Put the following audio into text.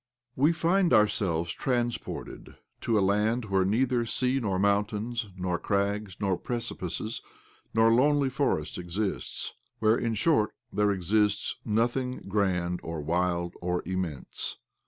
We find ourselves transported to a land where neither sea nor mountains nor crags nor precipices nor lonely forests exist — where, in short, there exists nothing grand or wild or immense.